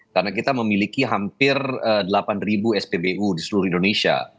karena kita memiliki hampir delapan ribu spbu di seluruh indonesia